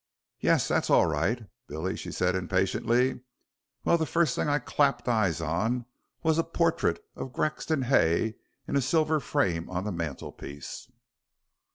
"Yes, that's all right, Billy," she said impatiently. "Well, the first thing I clapped eyes on was a portrait of Grexon Hay in a silver frame on the mantelpiece."